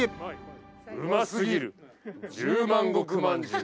「うますぎる十万石まんじゅう」